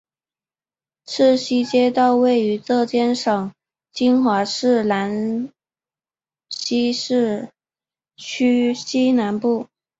赤溪街道位于浙江省金华市兰溪市区西南部。